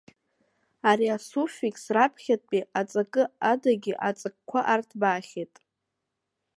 Ари асуффиқс раԥхьатәи аҵакы адагьы, аҵакқәа арҭбаахьеит.